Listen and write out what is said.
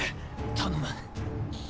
頼む。